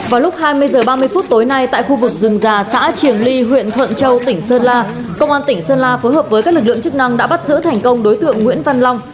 vào lúc hai mươi h ba mươi phút tối nay tại khu vực rừng già xã triềng ly huyện thuận châu tỉnh sơn la công an tỉnh sơn la phối hợp với các lực lượng chức năng đã bắt giữ thành công đối tượng nguyễn văn long